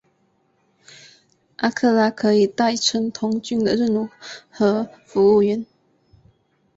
阿克拉可以代称童军的任何服务员。